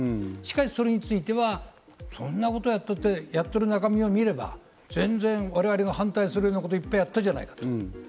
しかし、それについてはそんなことやってる中身を見れば全然、我々が反対するようなこと、いっぱいやったじゃないかと。